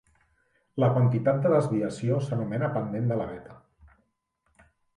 La quantitat de desviació s'anomena pendent de la veta.